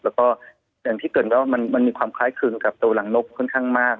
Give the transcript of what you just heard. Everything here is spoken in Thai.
แล้วก็อย่างที่เกิดว่ามันมีความคล้ายคลึงกับตัวหลังนกค่อนข้างมาก